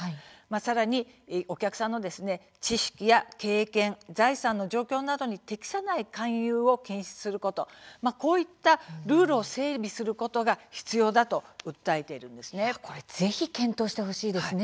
さらに、お客さんの知識や経験財産の状況などに適さない勧誘を禁止することこういったルールを整備することが必要だと訴えてぜひ検討してほしいですね。